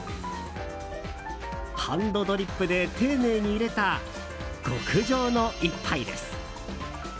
ハンドドリップで丁寧にいれた極上の一杯です。